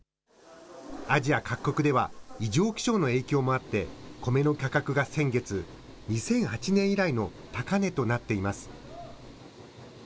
アジア各国では異常気象の影響もあって、コメの価格が先月、２００８年以来の高値となっています。